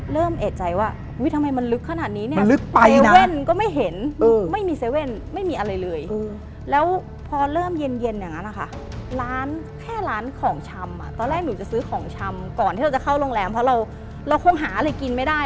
เริ่มเอะใจไว้ว่าทำไมมันรึกขนาดนี้มันรึกไป